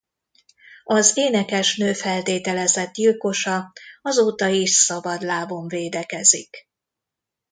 Az énekesnő feltételezett gyilkosa azóta is szabadlábon védekezik.